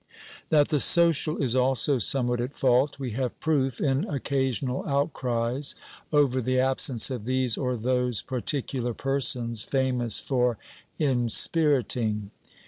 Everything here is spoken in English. That the social is also somewhat at fault, we have proof in occasional outcries over the absence of these or those particular persons famous for inspiriting.